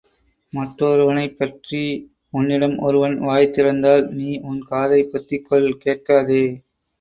மற்றொருவனைப் பற்றி உன்னிடம் ஒருவன் வாய் திறந்தால் நீ உன் காதைப் பொத்திக்கொள் கேட்காதே!